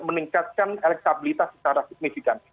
meningkatkan elektabilitas secara signifikan